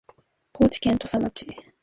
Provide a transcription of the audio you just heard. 高知県土佐町